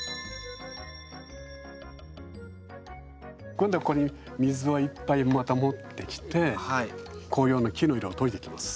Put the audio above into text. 今度はここに水をいっぱいまた持ってきて紅葉の木の色を溶いていきます。